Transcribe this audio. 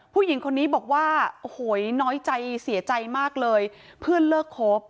ผู้หญิงคนนี้บอกว่าโอ้โหน้อยใจเสียใจมากเลยเพื่อนเลิกคบ